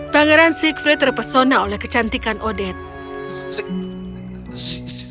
pangeran siegfri terpesona oleh kecantikan odette